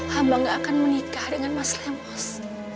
hamba gak akan menikah dengan mas lemos